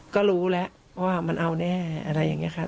ก็รู้แล้วว่ามันเอาแน่อะไรอย่างนี้ค่ะ